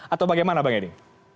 atau bagaimana bang edi